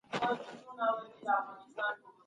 زده کړه د هر وګړي ديني فريضه ده.